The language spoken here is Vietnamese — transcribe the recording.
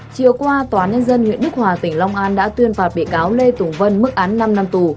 chiều qua tòa nhân dân huyện đức hòa tỉnh long an đã tuyên phạt bị cáo lê tùng vân mức án năm năm tù